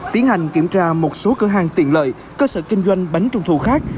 tiến hành kiểm tra một số cửa hàng tiện lợi cơ sở kinh doanh bánh trung thu khác